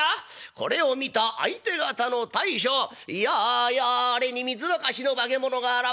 「これを見た相手方の大将やあやああれに水沸かしの化け物が現れた。